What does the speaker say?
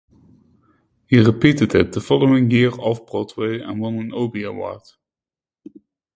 He repeated it the following year Off-Broadway and won an Obie Award.